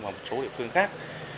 và một số địa phương khác